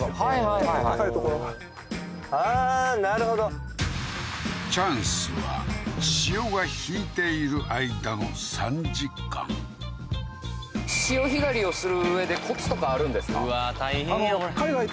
ちょっと高い所がああーなるほどチャンスは潮が引いている間の３時間潮干狩りをする上でコツとかあるんですか？